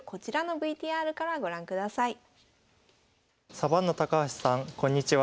サバンナ高橋さんこんにちは。